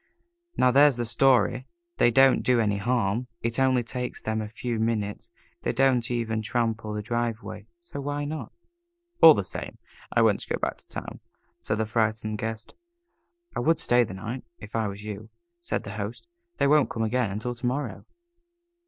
Now, there's the story. They don't do any harm. It only takes them a few minutes. They don't even trample the driveway, so why not?" "All the same, I want to go back to town," said the frightened guest. "I would stay the night, if I were you," said the host. "They won't come again until to morrow."